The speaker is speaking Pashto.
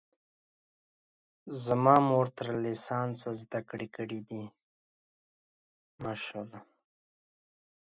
زما مور تر لیسانسه زده کړې کړي دي